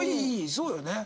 そうよね。